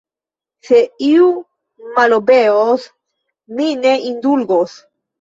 Se iu malobeos, mi ne indulgos!